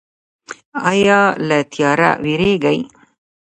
ایا له تیاره ویریږئ؟